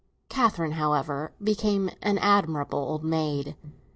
Catherine, however, became an admirable old maid.